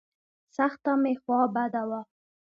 سخته مې خوا بده وه.